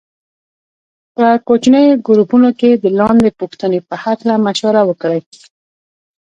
په کوچنیو ګروپونو کې د لاندې پوښتنې په هکله مشوره وکړئ.